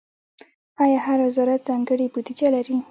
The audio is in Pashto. آیا هر وزارت ځانګړې بودیجه لري؟